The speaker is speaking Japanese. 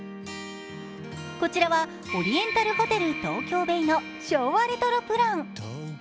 こちらはオリエンタルホテル東京ベイの昭和レトロプラン。